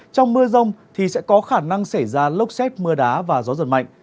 trong mưa rông thì sẽ có khả năng xảy ra lốc xét mưa đá và gió giật mạnh